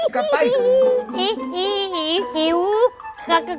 ขอไปก่อน